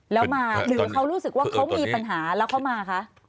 แล้วมาหรือเขารู้สึกว่าเขามีปัญหาแล้วเขามาคะ